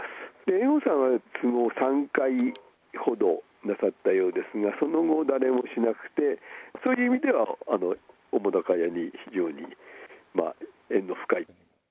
猿翁さんは３回ほどなさったようですが、その後、誰もしなくて、そういう意味では、澤瀉屋に非常に縁の深い。